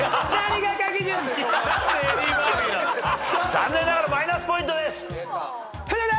残念ながらマイナスポイントです。